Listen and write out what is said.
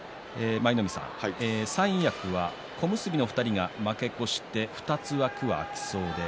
三役は小結の２人が負け越して２つ枠は空きそうです。